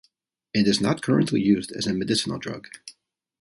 It is not currently used as a medicinal drug.